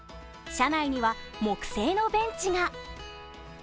車内には木製のベンチが。